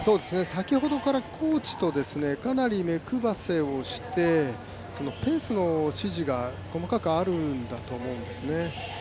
先ほどからコーチとかなり目くばせをしてペースの指示が細かくあると思うんですね。